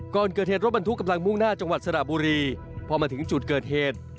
ก่อนเกิดเหตุรถบรรทุกกำลังมุ่งหน้าจังหวัดสระบุรีพอมาถึงจุดเกิดเหตุ